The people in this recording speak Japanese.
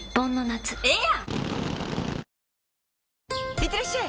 いってらっしゃい！